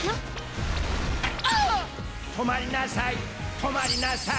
とまりなさい！